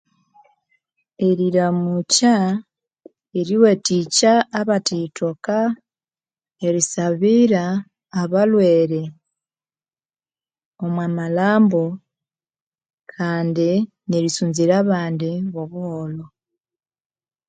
Eriramukya eriwathikya abathiyithoka erisabira abalhwere omwa malhambo kandi nerisunzira abandi bwo buholho